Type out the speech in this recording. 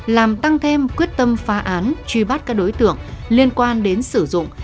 làm tăng thêm quyết tâm phá án truy bắt các đối tượng liên quan đến sử dụng